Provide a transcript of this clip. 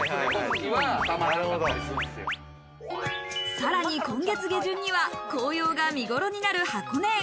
さらに今月下旬には紅葉が見頃になる箱根園。